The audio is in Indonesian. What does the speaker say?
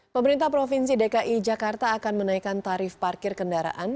pemerintah provinsi dki jakarta akan menaikkan tarif parkir kendaraan